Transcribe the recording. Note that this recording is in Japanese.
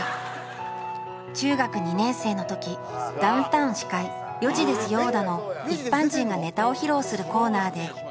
中学２年生の時ダウンタウン司会『４時ですよだ』の一般人がネタを披露するコーナーで優勝